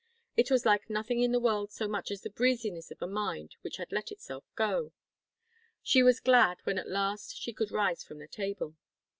It was like nothing in the world so much as the breeziness of a mind which had let itself go. She was glad when at last she could rise from the table.